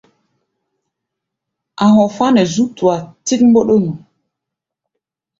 A̧ hɔfá̧ nɛ zú tua tík mbɔ́ɗɔ́nu.